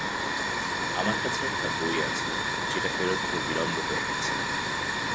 আমার কাছে একটা বই আছে যেটা ফেরত দিতে বিলম্ব হয়ে গেছে।